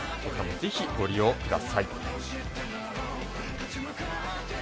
ぜひ、ご利用ください。